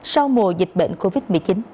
sau mùa dịch bệnh covid một mươi chín